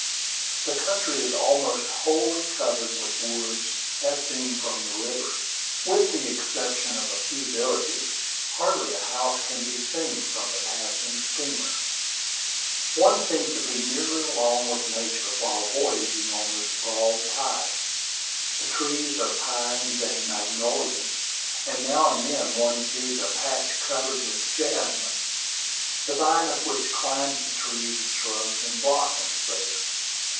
The country is almost wholly covered with woods, as seen from the river. With the exception of a few villages, hardly a house can be seen from the passing steamer. One seems to be nearly alone with nature while voyaging on this broad tide. The trees are pines and magnolias, and now and then one sees a patch covered with jasmine, the vine of which climbs the trees and shrubs, and blossoms there.